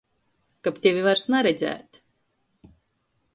Kab tevi vairs naredzēt!